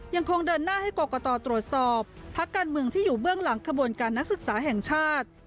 ยังคงเดินหน้าให้กรกตตรวจสอบพักการเมืองที่อยู่เบื้องหลังขบวนการนักศึกษาแห่งชาติ